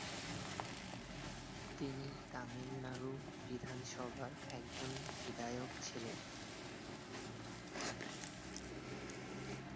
তিনি তামিলনাড়ু বিধানসভার একজন বিধায়ক ছিলেন।